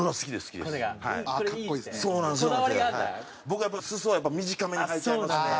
僕はやっぱり裾は短めにしちゃいますね。